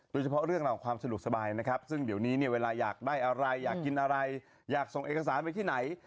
โดยเฉพาะเรื่องราวของความสะดวกสบายนะครับซึ่งเดี๋ยวนี้เนี่ยเวลาอยากได้อะไรอยากกินอะไรอยากส่งเอกสารไปที่ไหน